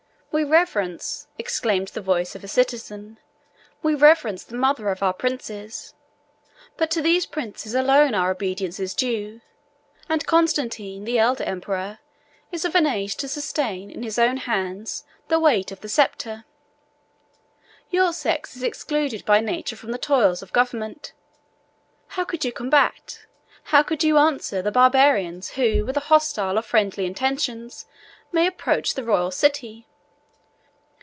"We reverence," exclaimed the voice of a citizen, "we reverence the mother of our princes; but to those princes alone our obedience is due; and Constantine, the elder emperor, is of an age to sustain, in his own hands, the weight of the sceptre. Your sex is excluded by nature from the toils of government. How could you combat, how could you answer, the Barbarians, who, with hostile or friendly intentions, may approach the royal city?